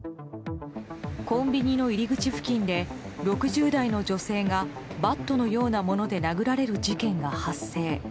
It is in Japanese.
コンビニの入り口付近で６０代の女性がバットのようなもので殴られる事件が発生。